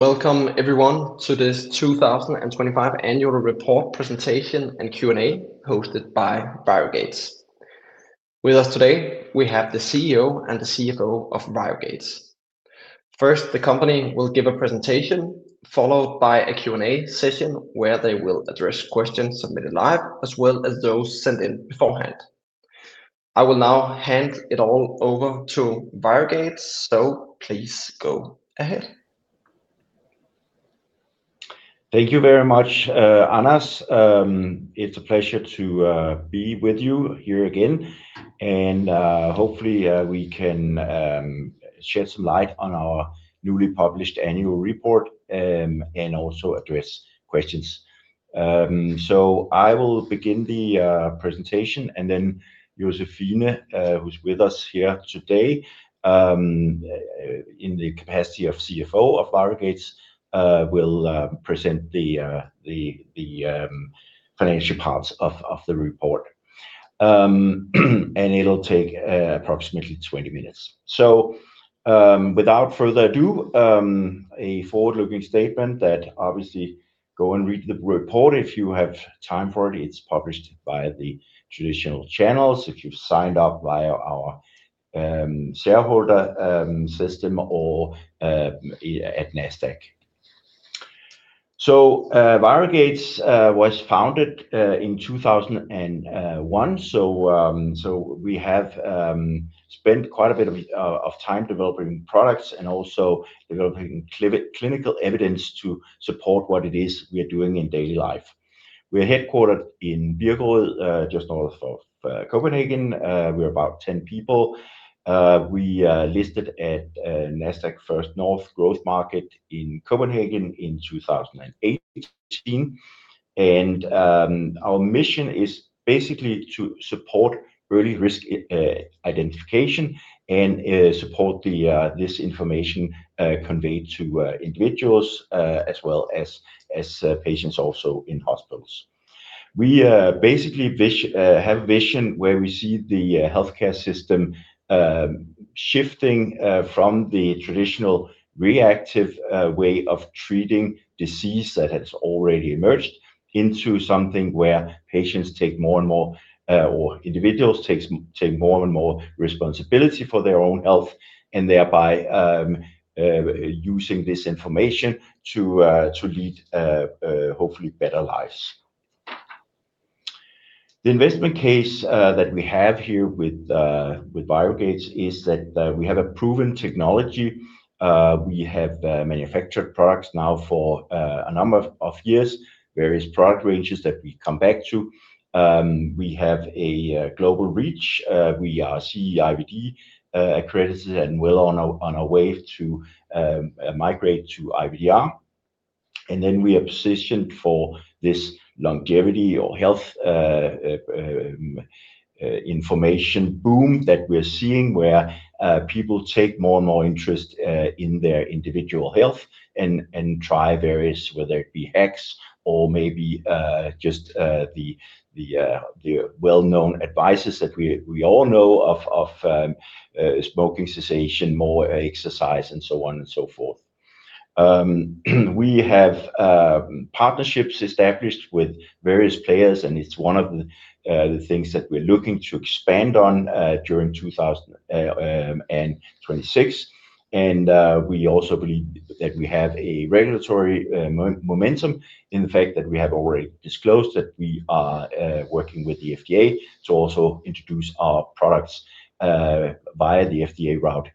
Welcome everyone to this 2025 annual report presentation and Q&A hosted by ViroGates. With us today, we have the CEO and the CFO of ViroGates. First, the company will give a presentation followed by a Q&A session where they will address questions submitted live as well as those sent in beforehand. I will now hand it all over to ViroGates. Please go ahead. Thank you very much, Hannes. It's a pleasure to be with you here again. Hopefully, we can shed some light on our newly published annual report, and also address questions. I will begin the presentation and then Josephine, who's with us here today, in the capacity of CFO of ViroGates, will present the financial parts of the report. It'll take approximately 20 minutes. Without further ado, a forward-looking statement that obviously go and read the report if you have time for it. It's published via the traditional channels. If you've signed up via our shareholder system or at Nasdaq. ViroGates was founded in 2001. We have spent quite a bit of time developing products and also developing clinical evidence to support what it is we are doing in daily life. We are headquartered in Virum, just north of Copenhagen. We're about 10 people. We listed at Nasdaq First North Growth Market in Copenhagen in 2018. Our mission is basically to support early risk identification and support this information conveyed to individuals as well as patients also in hospitals. We basically have a vision where we see the healthcare system shifting from the traditional reactive way of treating disease that has already emerged into something where patients take more and more or individuals take more and more responsibility for their own health and thereby using this information to lead hopefully better lives. The investment case that we have here with ViroGates is that we have a proven technology. We have manufactured products now for a number of years, various product ranges that we come back to. We have a global reach. We are CE-IVD accredited and well on our way to migrate to IVDR. We are positioned for this longevity or health information boom that we're seeing where people take more and more interest in their individual health and try various, whether it be hacks or maybe just the well-known advice that we all know of smoking cessation, more exercise, and so on and so forth. We have partnerships established with various players, and it's one of the things that we're looking to expand on during 2026. We also believe that we have a regulatory momentum in the fact that we have already disclosed that we are working with the FDA to also introduce our products via the FDA route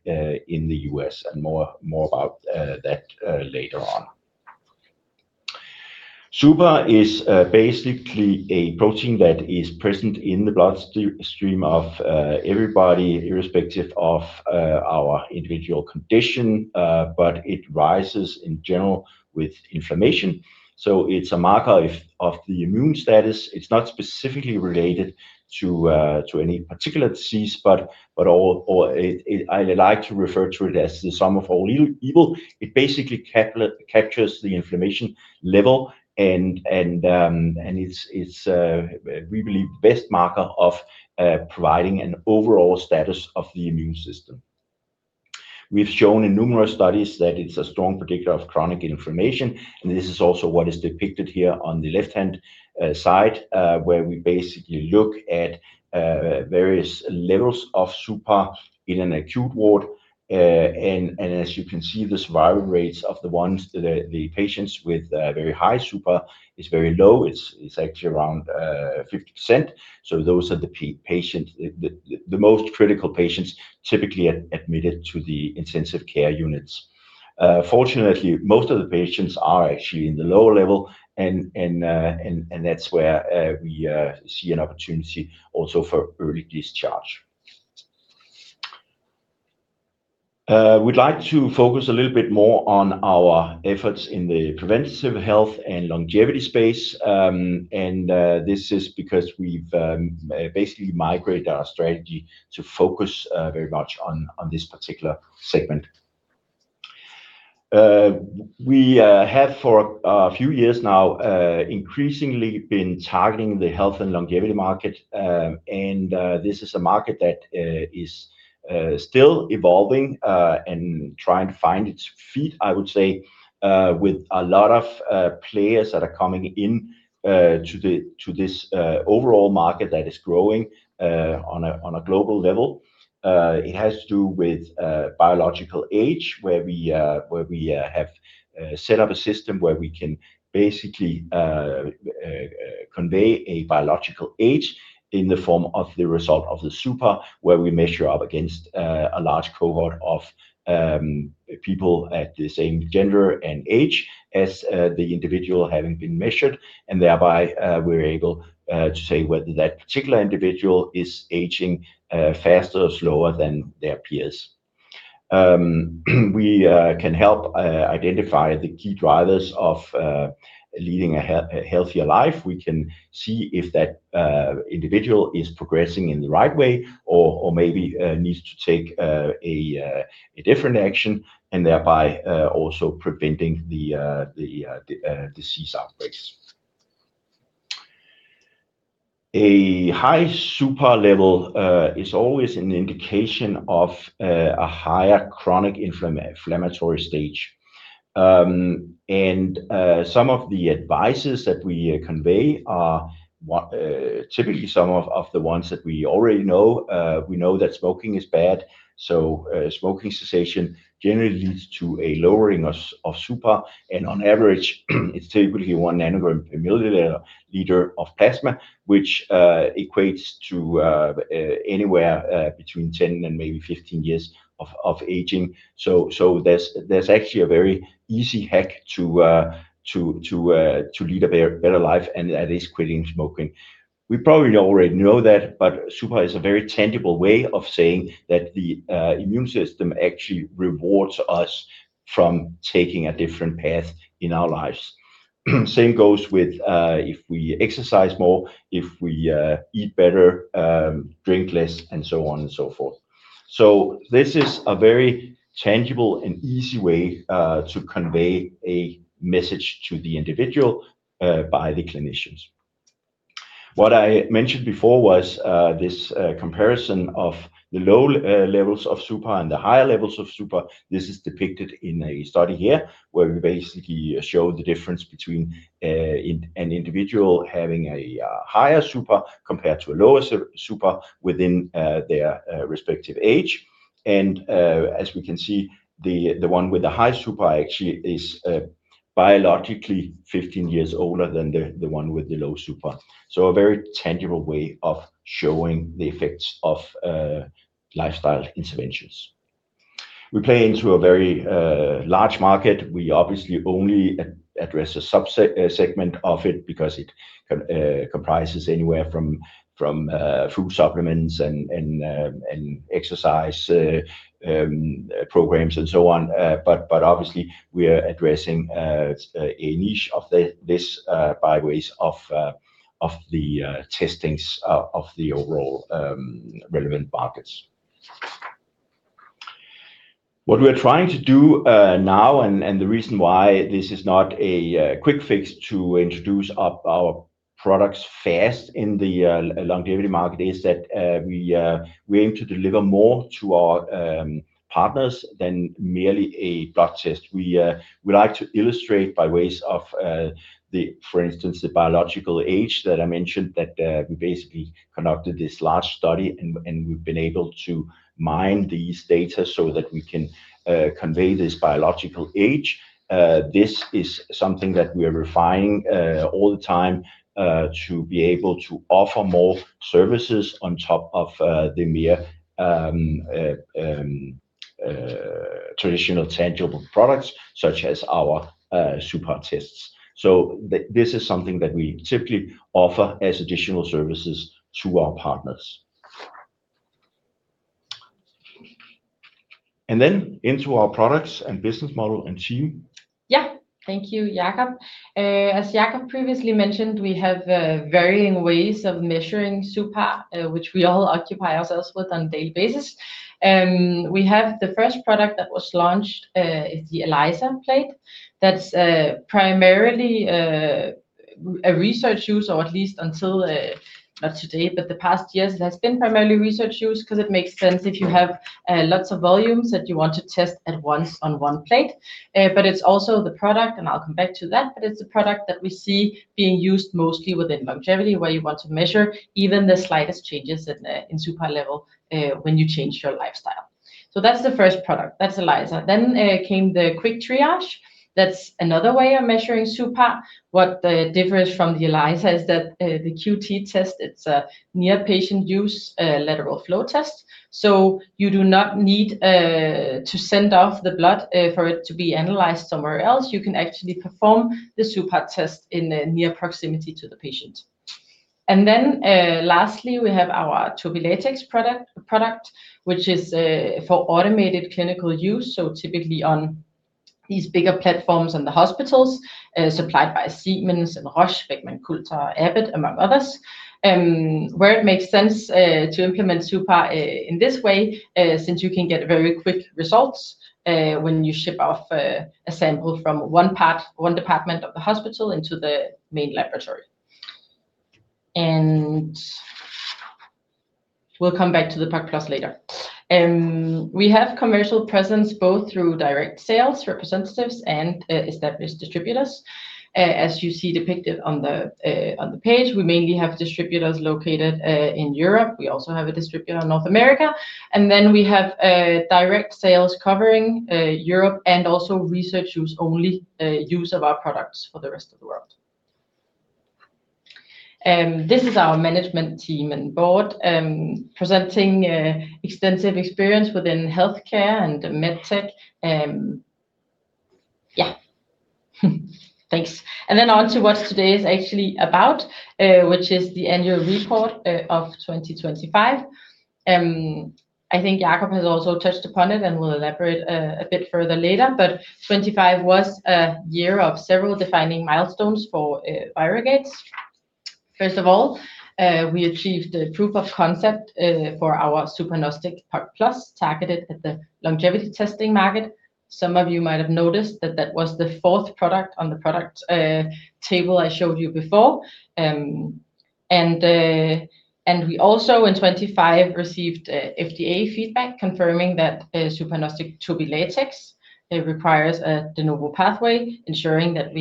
in the U.S., and more about that later on. suPAR is basically a protein that is present in the bloodstream of everybody, irrespective of our individual condition. It rises in general with inflammation. It's a marker of the immune status. It's not specifically related to any particular disease, but all or I like to refer to it as the sum of all evil. It basically captures the inflammation level and it's, we believe, best marker of providing an overall status of the immune system. We've shown in numerous studies that it's a strong predictor of chronic inflammation. This is also what is depicted here on the left-hand side where we basically look at various levels of suPAR in an acute ward. As you can see, the survival rates of the patients with very high suPAR is very low. It's actually around 50%. Those are the patients, the most critical patients typically admitted to the intensive care units. Fortunately, most of the patients are actually in the lower level and that's where we see an opportunity also for early discharge. We'd like to focus a little bit more on our efforts in the preventative health and longevity space. This is because we've basically migrate our strategy to focus very much on this particular segment. We have for a few years now increasingly been targeting the health and longevity market. This is a market that is still evolving and trying to find its feet, I would say, with a lot of players that are coming in to this overall market that is growing on a global level. It has to do with biological age, where we have set up a system where we can basically convey a biological age in the form of the result of the suPAR, where we measure up against a large cohort of people at the same gender and age as the individual having been measured. Thereby, we're able to say whether that particular individual is aging faster or slower than their peers. We can help identify the key drivers of leading a healthier life. We can see if that individual is progressing in the right way or maybe needs to take a different action and thereby also preventing the disease outbreaks. A high suPAR level is always an indication of a higher chronic inflammatory stage. Some of the advices that we convey are typically some of the ones that we already know. We know that smoking is bad, so smoking cessation generally leads to a lowering of suPAR, and on average, it's typically 1 nanogram per milliliter of plasma, which equates to anywhere between 10 and maybe 15 years of aging. There's actually a very easy hack to lead a better life, and that is quitting smoking. We probably already know that, but suPAR is a very tangible way of saying that the immune system actually rewards us for taking a different path in our lives. The same goes with if we exercise more, if we eat better, drink less, and so on and so forth. This is a very tangible and easy way to convey a message to the individual by the clinicians. What I mentioned before was this comparison of the low levels of suPAR and the higher levels of suPAR. This is depicted in a study here, where we basically show the difference between an individual having a higher suPAR compared to a lower suPAR within their respective age. As we can see, the one with the high suPAR actually is biologically 15 years older than the one with the low suPAR. A very tangible way of showing the effects of lifestyle interventions. We play into a very large market. We obviously only address a subset, a segment of it because it comprises anywhere from food supplements and exercise programs and so on. But obviously we are addressing a niche of this by way of the testing of the overall relevant markets. What we're trying to do now and the reason why this is not a quick fix to introduce our products fast in the longevity market is that we aim to deliver more to our partners than merely a blood test. We like to illustrate by ways of, for instance, the biological age that I mentioned, that we basically conducted this large study and we've been able to mine these data so that we can convey this biological age. This is something that we are refining all the time to be able to offer more services on top of the mere traditional tangible products such as our suPAR tests. This is something that we typically offer as additional services to our partners. Into our products and business model and team. Thank you, Jakob. As Jakob previously mentioned, we have varying ways of measuring suPAR, which we all occupy ourselves with on daily basis. We have the first product that was launched is the ELISA plate. That's primarily a research use or at least until not today, but the past years it has been primarily research use 'cause it makes sense if you have lots of volumes that you want to test at once on one plate. But it's also the product, and I'll come back to that, but it's a product that we see being used mostly within longevity where you want to measure even the slightest changes at the, in suPAR level when you change your lifestyle. That's the first product. That's ELISA. Then came the Quick Triage. That's another way of measuring suPAR. What differs from the ELISA is that the QT test, it's a near patient use lateral flow test. So you do not need to send off the blood for it to be analyzed somewhere else. You can actually perform the suPAR test in near proximity to the patient. Then, lastly, we have our TurbiLatex product, which is for automated clinical use, so typically on these bigger platforms in the hospitals. Supplied by Siemens and Roche, Beckman Coulter, Abbott, among others. Where it makes sense to implement suPAR in this way, since you can get very quick results when you ship off a sample from one department of the hospital into the main laboratory. We'll come back to the POC+ later. We have commercial presence both through direct sales representatives and established distributors. As you see depicted on the page, we mainly have distributors located in Europe. We also have a distributor in North America. We have a direct sales covering Europe and also research-use only use of our products for the rest of the world. This is our management team and board presenting extensive experience within healthcare and med tech. Yeah. Thanks. On to what today is actually about, which is the annual report of 2025. I think Jakob has also touched upon it and will elaborate a bit further later. 2025 was a year of several defining milestones for ViroGates. First of all, we achieved a proof of concept for our suPARnostic® POC+ targeted at the longevity testing market. Some of you might have noticed that was the fourth product on the product table I showed you before. We also in 2025 received FDA feedback confirming that the suPARnostic® TurbiLatex requires a De Novo pathway, ensuring that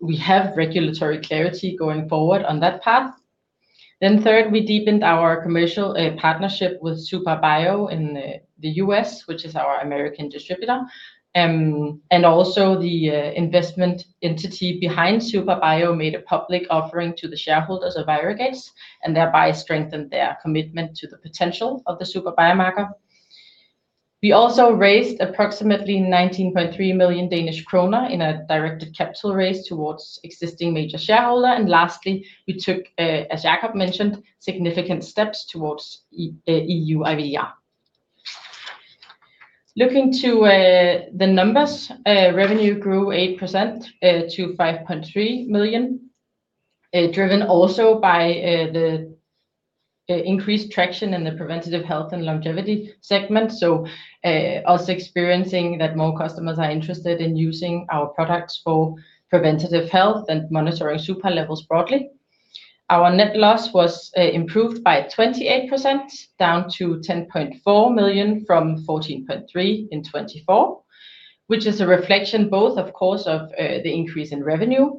we have regulatory clarity going forward on that path. Third, we deepened our commercial partnership with suPARbio™ in the U.S., which is our American distributor. Also the investment entity behind suPARbio™ made a public offering to the shareholders of ViroGates, and thereby strengthened their commitment to the potential of the suPAR biomarker. We also raised approximately 19.3 million Danish kroner in a directed capital raise towards existing major shareholder. Lastly, we took, as Jakob mentioned, significant steps towards EU IVDR. Looking to the numbers, revenue grew 8% to 5.3 million, driven also by the increased traction in the preventive health and longevity segment. We are also experiencing that more customers are interested in using our products for preventive health and monitoring suPAR levels broadly. Our net loss was improved by 28%, down to 10.4 million from 14.3 million in 2024, which is a reflection both, of course, of the increase in revenue,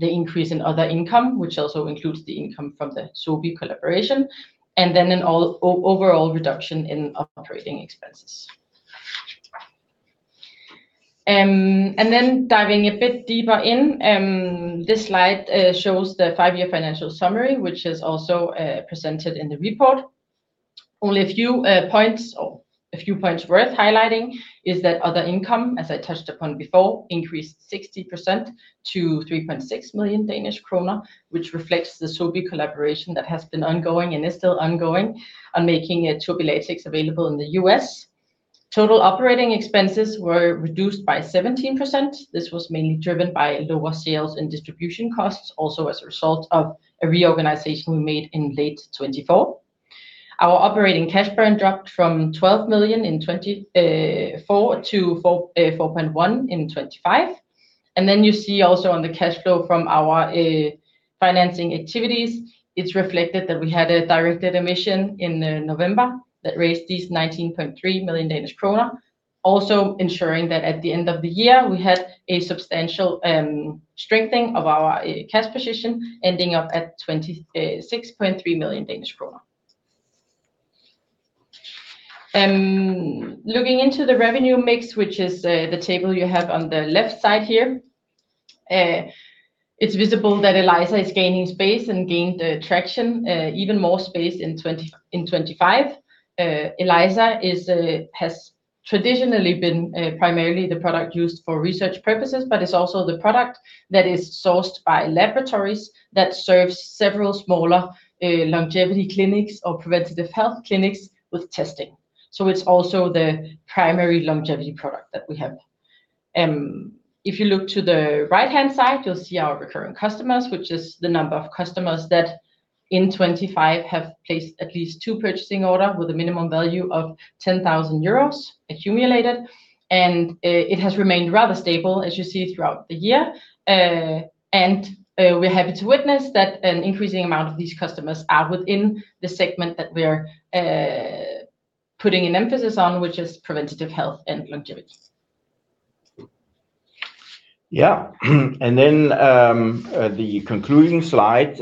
the increase in other income, which also includes the income from the Sobi collaboration, and then an overall reduction in operating expenses. Diving a bit deeper into this slide shows the five-year financial summary, which is also presented in the report. Only a few points worth highlighting is that other income, as I touched upon before, increased 60% to 3.6 million Danish kroner, which reflects the Sobi collaboration that has been ongoing and is still ongoing on making TurbiLatex available in the U.S. Total operating expenses were reduced by 17%. This was mainly driven by lower sales and distribution costs, also as a result of a reorganization we made in late 2024. Our operating cash burn dropped from 12 million in 2024 to 4.1 million in 2025. You see also on the cash flow from our financing activities, it's reflected that we had a directed emission in November that raised 19.3 million Danish kroner, also ensuring that at the end of the year, we had a substantial strengthening of our cash position, ending up at 26.3 million Danish kroner. Looking into the revenue mix, which is the table you have on the left side here, it's visible that ELISA is gaining space and gained traction even more space in 2025. ELISA has traditionally been primarily the product used for research purposes, but it's also the product that is sourced by laboratories that serves several smaller longevity clinics or preventative health clinics with testing. It's also the primary longevity product that we have. If you look to the right-hand side, you'll see our recurring customers, which is the number of customers that in 25 have placed at least two purchase orders with a minimum value of 10,000 euros accumulated. It has remained rather stable, as you see, throughout the year. We're happy to witness that an increasing amount of these customers are within the segment that we're putting an emphasis on, which is preventive health and longevity. The concluding slide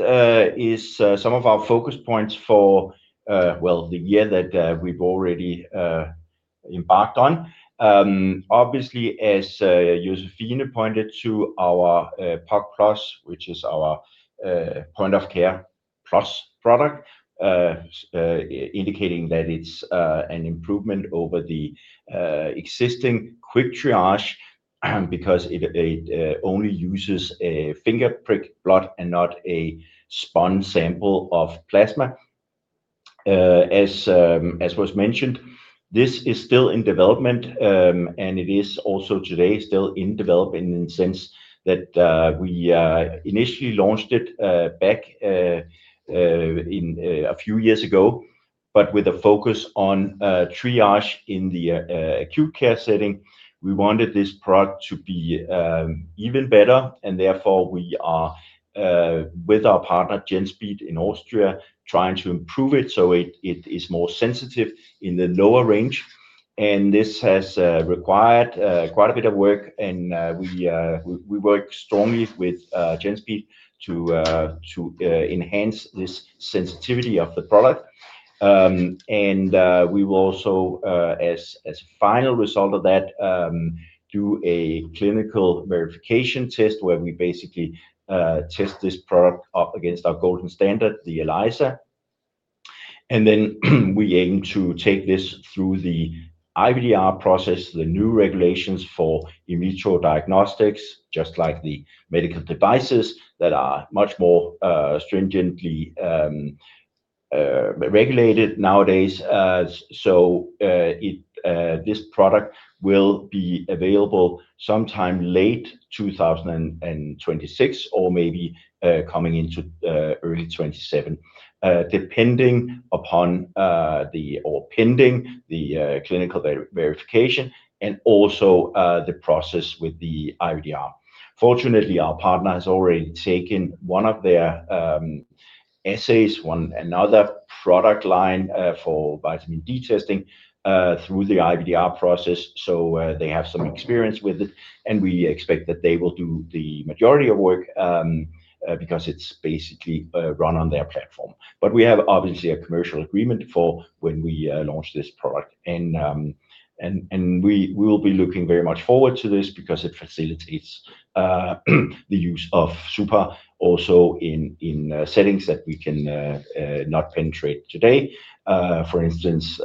is some of our focus points for well the year that we've already embarked on. Obviously, as Josephine pointed to our POC+, which is our point-of-care plus product, indicating that it's an improvement over the existing Quick Triage, because it only uses a finger prick blood and not a spun sample of plasma. As was mentioned, this is still in development, and it is also still in development in the sense that we initially launched it back in a few years ago, but with a focus on triage in the acute care setting. We wanted this product to be even better and therefore we are with our partner GENSPEED in Austria trying to improve it so it is more sensitive in the lower range. This has required quite a bit of work and we work strongly with GENSPEED to enhance this sensitivity of the product. We will also as final result of that do a clinical verification test where we basically test this product up against our golden standard, the ELISA. Then we aim to take this through the IVDR process, the new regulations for in vitro diagnostics, just like the medical devices that are much more stringently regulated nowadays. This product will be available sometime late 2026 or maybe coming into early 2027, depending upon or pending the clinical verification and also the process with the IVDR. Fortunately, our partner has already taken one of their assays, another product line for vitamin D testing through the IVDR process, so they have some experience with it. We expect that they will do the majority of work because it's basically run on their platform. But we have obviously a commercial agreement for when we launch this product. We will be looking very much forward to this because it facilitates the use of suPAR also in settings that we cannot penetrate today. For instance,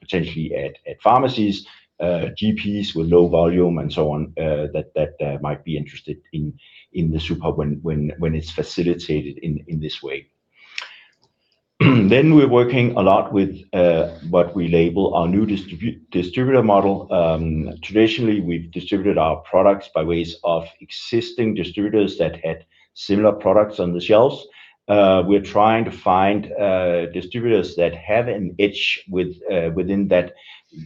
potentially at pharmacies, GPs with low volume and so on, that might be interested in the suPAR, when it's facilitated in this way. We're working a lot with what we label our new distributor model. Traditionally, we've distributed our products by way of existing distributors that had similar products on the shelves. We're trying to find distributors that have an edge within that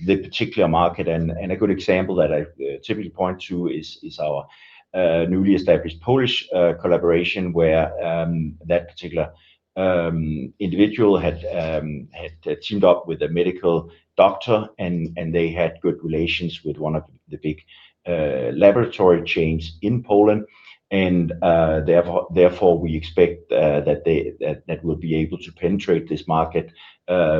particular market. A good example that I typically point to is our newly established Polish collaboration where that particular individual had teamed up with a medical doctor and they had good relations with one of the big laboratory chains in Poland. Therefore we expect that we'll be able to penetrate this market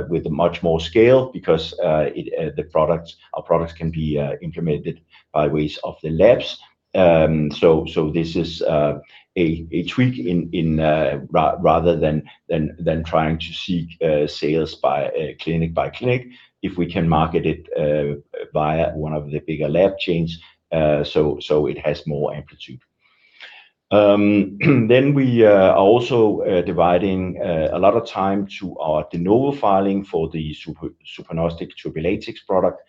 with much more scale because the products, our products can be implemented by ways of the labs. This is a tweak rather than trying to seek sales by clinic by clinic. If we can market it via one of the bigger lab chains, it has more amplitude. We are also dividing a lot of time to our De Novo filing for the suPARnostic® TurbiLatex product.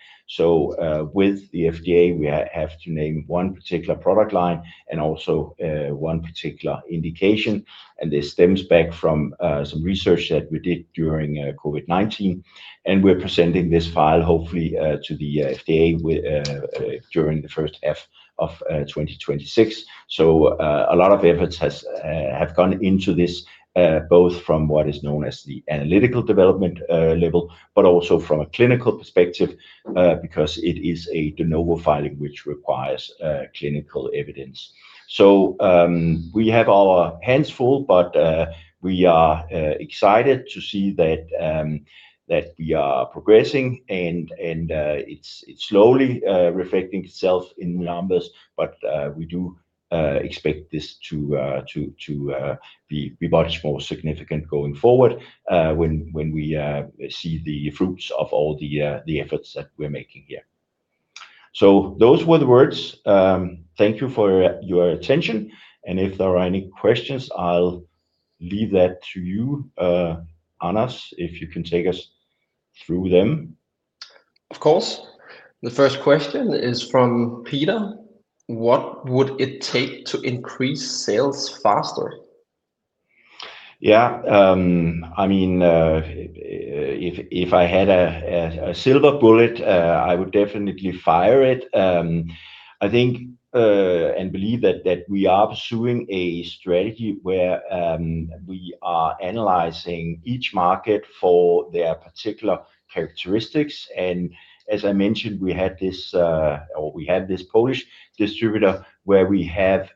With the FDA, we have to name one particular product line and also one particular indication, and this stems back from some research that we did during COVID-19. We're presenting this filing hopefully to the FDA during the first half of 2026. A lot of efforts have gone into this both from what is known as the analytical development level, but also from a clinical perspective because it is a De Novo filing which requires clinical evidence. We have our hands full, but we are excited to see that we are progressing and it's slowly reflecting itself in numbers. We do expect this to be much more significant going forward when we see the fruits of all the efforts that we're making here. Those were the words. Thank you for your attention. If there are any questions, I'll leave that to you, Hannes, if you can take us through them. Of course. The first question is from Peter. What would it take to increase sales faster? I mean, if I had a silver bullet, I would definitely fire it. I think and believe that we are pursuing a strategy where we are analyzing each market for their particular characteristics. As I mentioned, we had this or we have this Polish distributor where we have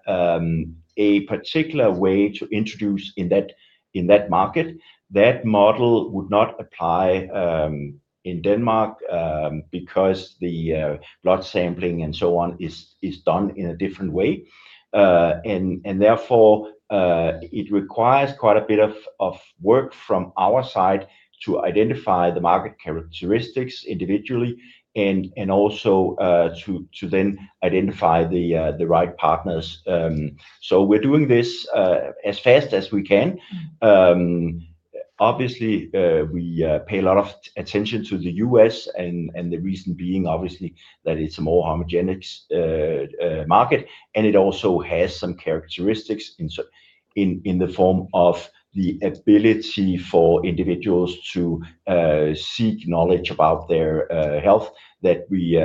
a particular way to introduce in that market. That model would not apply in Denmark because the blood sampling and so on is done in a different way. Therefore it requires quite a bit of work from our side to identify the market characteristics individually and also to then identify the right partners. We're doing this as fast as we can. Obviously, we pay a lot of attention to the U.S., and the reason being obviously that it's a more homogeneous market, and it also has some characteristics in the form of the ability for individuals to seek knowledge about their health that we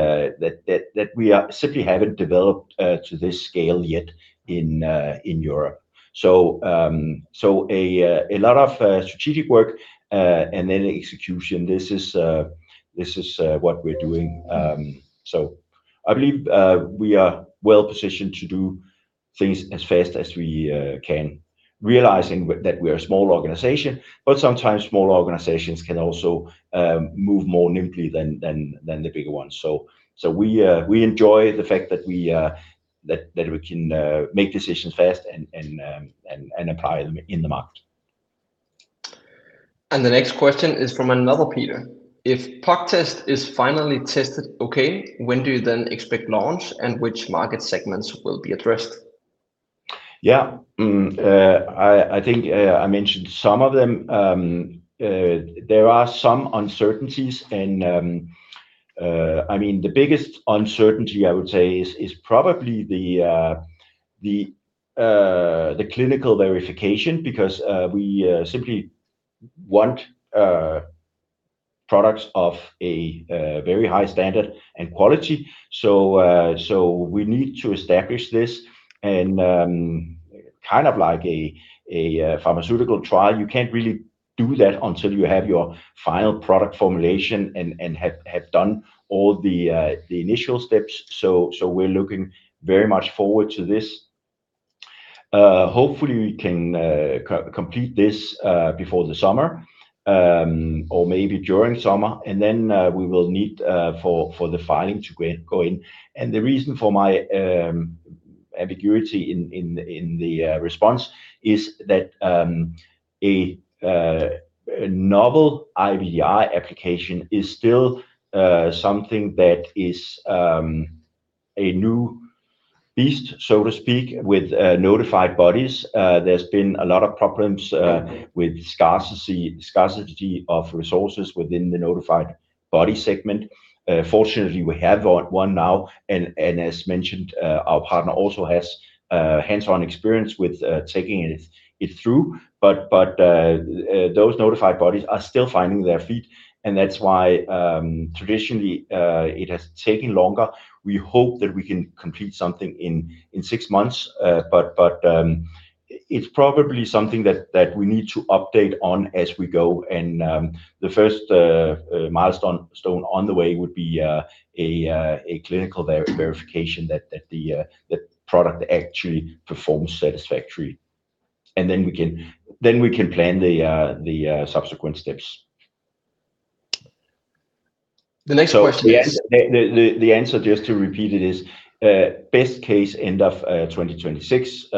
simply haven't developed to this scale yet in Europe. A lot of strategic work and then execution. This is what we're doing. I believe we are well-positioned to do things as fast as we can, realizing that we are a small organization. Sometimes small organizations can also move more nimbly than the bigger ones. We enjoy the fact that we can make decisions fast and apply them in the market. The next question is from another Peter. If POCT test is finally tested okay, when do you then expect launch, and which market segments will be addressed? Yeah. I think I mentioned some of them. There are some uncertainties and I mean, the biggest uncertainty I would say is probably the clinical verification because we simply want products of a very high standard and quality. We need to establish this and kind of like a pharmaceutical trial. You can't really do that until you have your final product formulation and have done all the initial steps. We're looking very much forward to this. Hopefully we can complete this before the summer or maybe during summer. We will need for the filing to go in. The reason for my ambiguity in the response is that a novel IVDR application is still something that is a new beast, so to speak, with notified bodies. There's been a lot of problems with scarcity of resources within the notified bodies segment. Fortunately, we have one now, and as mentioned, our partner also has hands-on experience with taking it through. Those notified bodies are still finding their feet, and that's why traditionally it has taken longer. We hope that we can complete something in six months. It's probably something that we need to update on as we go. The first milestone on the way would be a clinical verification that the product actually performs satisfactory. Then we can plan the subsequent steps. The next question is. Yes. The answer, just to repeat it, is best case end of 2026.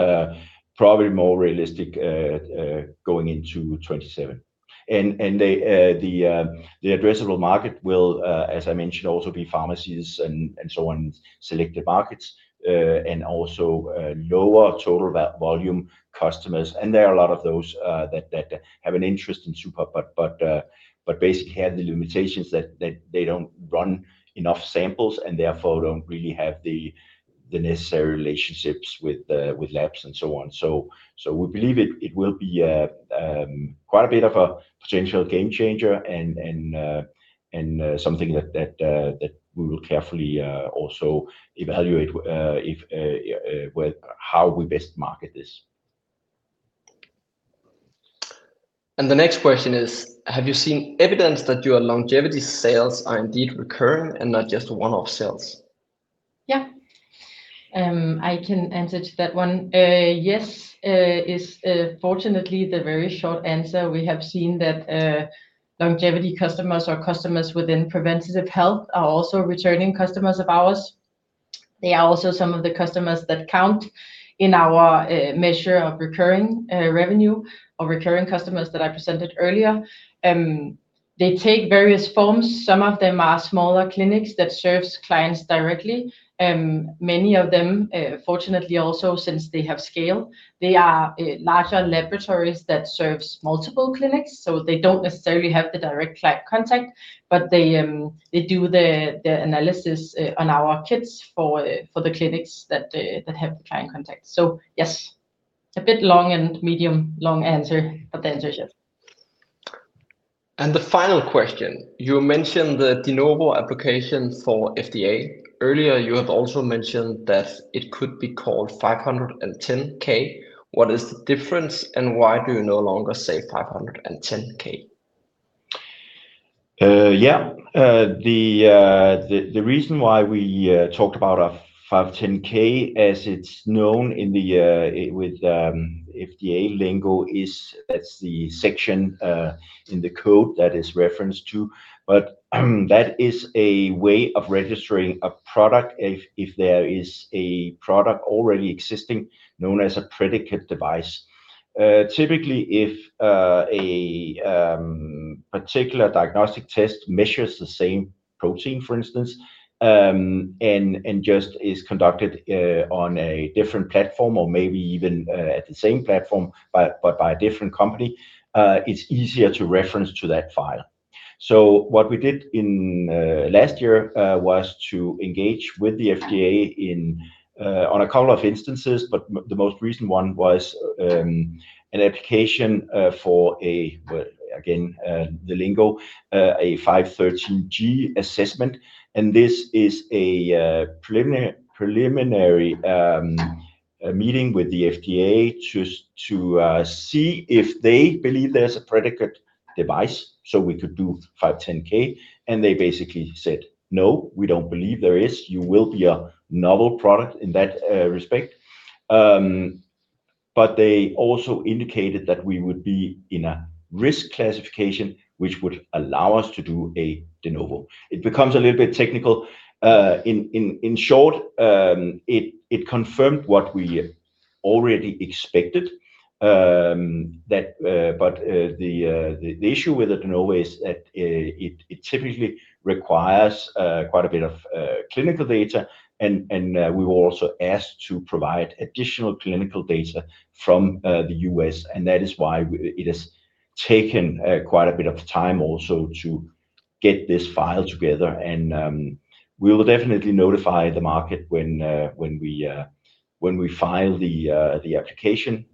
Probably more realistic going into 2027. The addressable market will, as I mentioned, also be pharmacies and so on, selected markets, and also lower total volume customers. There are a lot of those that have an interest in suPAR, but basically have the limitations that they don't run enough samples and therefore don't really have the necessary relationships with the labs and so on. We believe it will be quite a bit of a potential game changer and something that we will carefully also evaluate with how we best market this. The next question is: Have you seen evidence that your longevity sales are indeed recurring and not just one-off sales? Yeah. I can answer to that one. Yes, fortunately the very short answer. We have seen that, longevity customers or customers within preventative health are also returning customers of ours. They are also some of the customers that count in our measure of recurring revenue or recurring customers that I presented earlier. They take various forms. Some of them are smaller clinics that serves clients directly. Many of them, fortunately also, since they have scale, they are larger laboratories that serves multiple clinics, so they don't necessarily have the direct client contact, but they do the analysis on our kits for the clinics that have the client contact. Yes. A bit long and medium long answer, but the answer is yes. The final question. You mentioned the De Novo application for FDA. Earlier you have also mentioned that it could be called 510(k). What is the difference, and why do you no longer say 510(k)? Yeah. The reason why we talked about a 510(k), as it's known in FDA lingo, is that's the section in the code that is referenced to. That is a way of registering a product if there is a product already existing known as a predicate device. Typically, if a particular diagnostic test measures the same protein, for instance, and just is conducted on a different platform or maybe even at the same platform by a different company, it's easier to reference to that file. What we did in last year was to engage with the FDA on a couple of instances. The most recent one was an application for a, well, again, the lingo, a 513(g) assessment, and this is a preliminary meeting with the FDA to see if they believe there's a predicate device, so we could do 510(k). They basically said, "No, we don't believe there is. You will be a novel product in that respect." They also indicated that we would be in a risk classification which would allow us to do a De Novo. It becomes a little bit technical. In short, it confirmed what we already expected, that. The issue with a De Novo is that it typically requires quite a bit of clinical data and we were also asked to provide additional clinical data from the U.S. and that is why it has taken quite a bit of time also to get this file together. We will definitely notify the market when we file the application,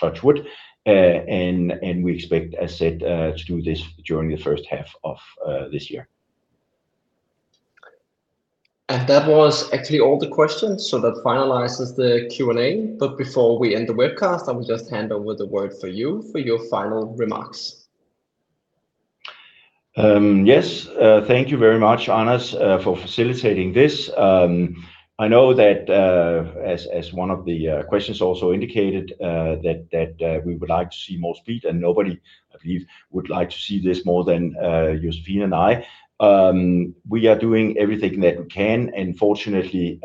touch wood. We expect, as said, to do this during the first half of this year. That was actually all the questions, so that finalizes the Q&A. Before we end the webcast, I will just hand over the word for you for your final remarks. Yes. Thank you very much, Hannes, for facilitating this. I know that, as one of the questions also indicated, that we would like to see more speed, and nobody, I believe, would like to see this more than Josephine and I. We are doing everything that we can, and fortunately,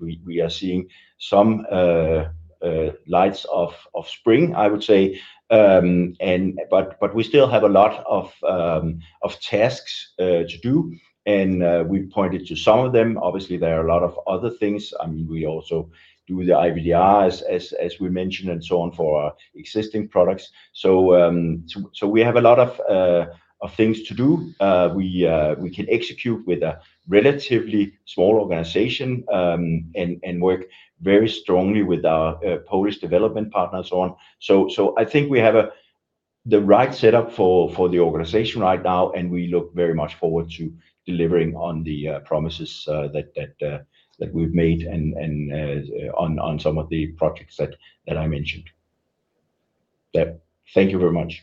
we are seeing some lights of spring, I would say. But we still have a lot of tasks to do, and we pointed to some of them. Obviously, there are a lot of other things. I mean, we also do the IVDR as we mentioned, and so on for our existing products. We have a lot of things to do. We can execute with a relatively small organization, and work very strongly with our Polish development partners and so on. I think we have the right setup for the organization right now, and we look very much forward to delivering on the promises that we've made and on some of the projects that I mentioned. Yeah. Thank you very much.